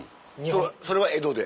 それは江戸で？